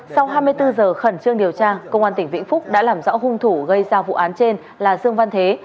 sau hai mươi bốn giờ khẩn trương điều tra công an tỉnh vĩnh phúc đã làm rõ hung thủ gây ra vụ án trên là dương văn thế